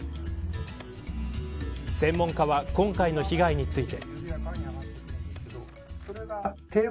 専門家は、今回の被害について。